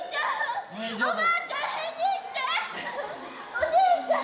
おじいちゃん！